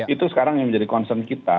itu sekarang yang menjadi concern kita